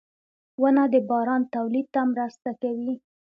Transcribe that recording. • ونه د باران تولید ته مرسته کوي.